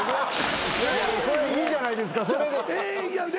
いいじゃないですかそれで。